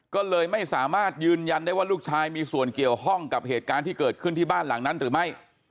ก็เลยไม่สามารถยืนยันได้ว่าลูกชายมีส่วนเกี่ยวข้องกับเหตุการณ์ที่เกิดขึ้นที่บ้านหลังนั้นหรือไม่